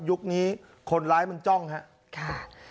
ยุคนี้คนร้ายมันจ้องฮะค่ะ